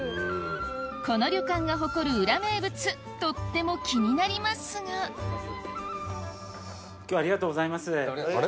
この旅館が誇る裏名物とっても気になりますが今日はありがとうございます。